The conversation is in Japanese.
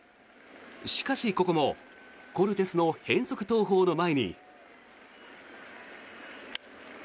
しかし、ここもコルテスの変則投法の前に。